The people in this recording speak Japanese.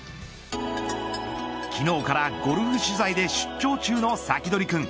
昨日から、ゴルフ取材で出張中のサキドリくん